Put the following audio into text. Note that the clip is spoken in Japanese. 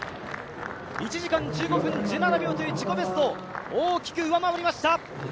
１時間１５分１７秒という自己ベストを大きく上回りました。